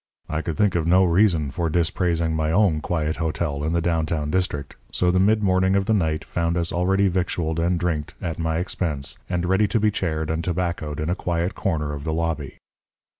I could think of no reason for disparaging my own quiet hotel in the downtown district; so the mid morning of the night found us already victualed and drinked (at my expense), and ready to be chaired and tobaccoed in a quiet corner of the lobby.